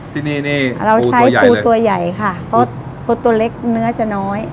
ที่นี่นี่เราใช้ปูตัวใหญ่ค่ะเพราะตัวเล็กเนื้อจะน้อย